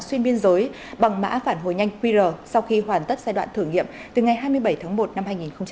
xuyên biên giới bằng mã phản hồi nhanh qr sau khi hoàn tất giai đoạn thử nghiệm từ ngày hai mươi bảy tháng một năm hai nghìn hai mươi